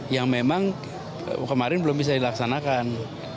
yang memang kemarin belum bisa dilaksanakan